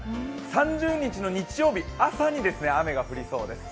３０日の日曜日朝に雨が降りそうです。